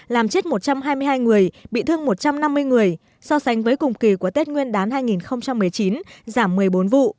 làm chết một trăm hai mươi hai người bị thương một trăm năm mươi người so sánh với cùng kỳ của tết nguyên đán hai nghìn một mươi chín giảm một mươi bốn vụ